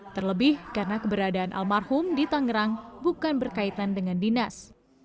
terlebih karena keberadaan almarhum di tangerang bukan berkaitan dengan dinas